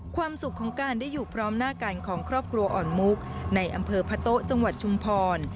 ความสุขของการได้อยู่พร้อมหน้ากันของครอบครัวอ่อนมุกในอำเภอพะโต๊ะจังหวัดชุมพร